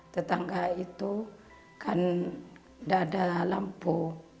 tetangga itu kan tidak ada lampu